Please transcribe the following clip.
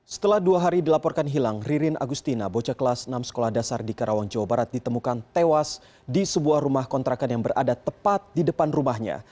setelah dua hari dilaporkan hilang ririn agustina bocah kelas enam sekolah dasar di karawang jawa barat ditemukan tewas di sebuah rumah kontrakan yang berada tepat di depan rumahnya